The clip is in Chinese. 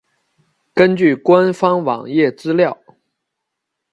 根据官方网页资料。